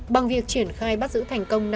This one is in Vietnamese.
bằng việc triển khai bắt giữ thành công